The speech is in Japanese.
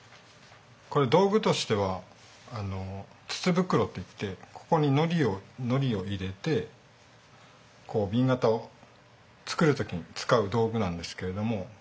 これ道具としては筒袋っていってここにのりを入れて紅型を作る時に使う道具なんですけれども。